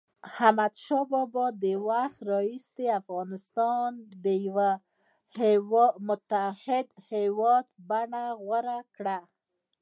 د احمدشاه بابا د وخت راهيسي افغانستان د یوه متحد هېواد بڼه غوره کړه.